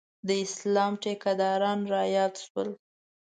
د اسلام ټیکداران رایاد شول.